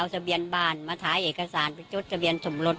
สักที